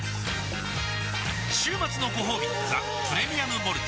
週末のごほうび「ザ・プレミアム・モルツ」